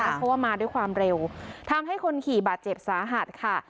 เพราะว่ามาด้วยความเร็วทำให้คนขี่บาดเจ็บสาหัสค่ะ